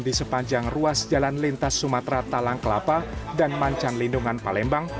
di sepanjang ruas jalan lintas sumatera talang kelapa dan mancan lindungan palembang